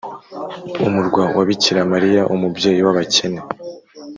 umurwa wa bikira mariya umubyeyi w’abakene